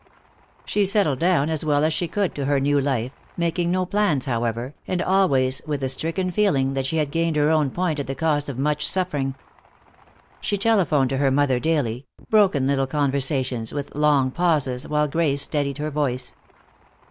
She settled down as well as she could to her new life, making no plans, however, and always with the stricken feeling that she had gained her own point at the cost of much suffering. She telephoned to her mother daily, broken little conversations with long pauses while Grace steadied her voice.